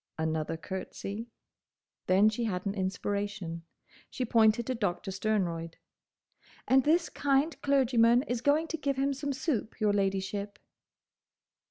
Another curtsey. Then she had an inspiration. She pointed to Doctor Sternroyd. "And this kind clergyman is going to give him some soup, your ladyship."